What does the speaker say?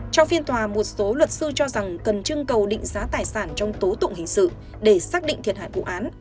trong phiên tòa một số luật sư cho rằng cần trưng cầu định giá tài sản trong tố tụng hình sự để xác định thiệt hại vụ án